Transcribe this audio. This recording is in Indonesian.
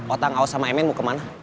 otak ngau sama emen mau kemana